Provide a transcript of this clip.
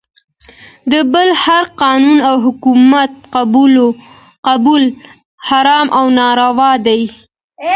د بل هر قانون او حکومت قبلول حرام او ناروا دی .